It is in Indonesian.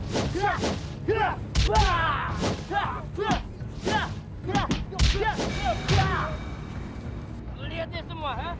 sekarang ayahku menjadi kaki tangannya